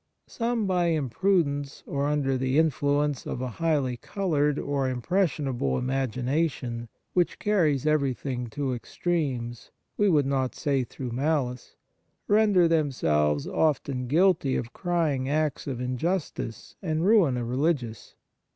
Some, by imprudence or under the in fluence of a highly coloured or impression able imagination which carries everything to extremes (we would not say through malice), 62 Seventh Preservative render themselves often guilty of crying acts of injustice and ruin a religious.